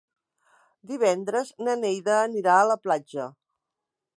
Divendres na Neida anirà a la platja.